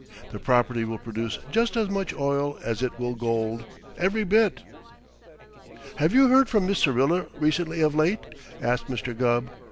The property will produce just as much oil as it will gold. Every bit!" "Have you heard from Miss Syrilla recently of late?" asked Mr. Gubb.